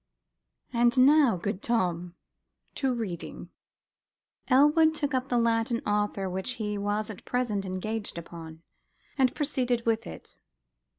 And now, good Tom, to reading." Elwood took up the Latin author which he was at present engaged upon, and proceeded with it.